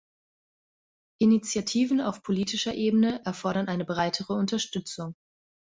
Initiativen auf politischer Ebene erfordern eine breitere Unterstützung.